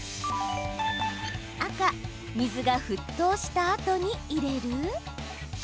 赤・水が沸騰したあとに入れる？